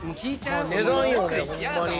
「値段よねホンマに」